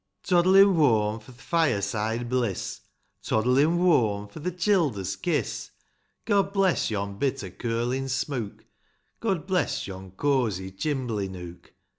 II. Toddlin' whoam, for th' fireside bliss, Toddlin' whoam, for th' childer's kiss ; God bless yon bit o' curlin' smooke ; God bless yon cosy chimbley nook !